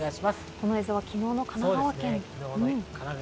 この映像は昨日の神奈川県。